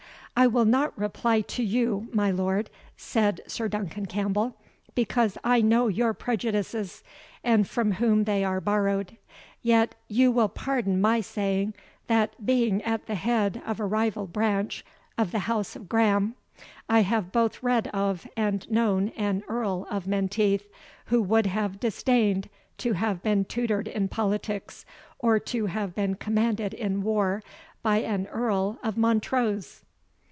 "I will not reply to you, my lord," said Sir Duncan Campbell, "because I know your prejudices, and from whom they are borrowed; yet you will pardon my saying, that being at the head of a rival branch of the House of Graham, I have both read of and known an Earl of Menteith, who would have disdained to have been tutored in politics, or to have been commanded in war, by an Earl of Montrose."